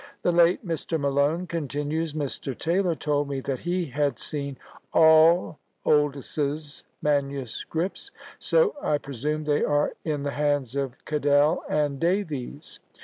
"The late Mr. Malone," continues Mr. Taylor, "told me that he had seen all Oldys's manuscripts; so I presume they are in the hands of Cadell and Davies."